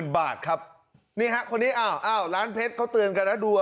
บาทครับนี่ฮะคนนี้อ้าวร้านเพชรเขาเตือนกันนะดู